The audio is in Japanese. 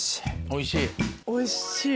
おいしい？